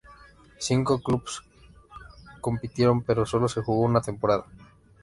Cinco clubes compitieron pero sólo se jugó una temporada.